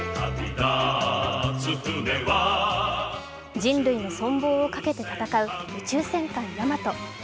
人類の存亡をかけて戦う「宇宙戦艦ヤマト」。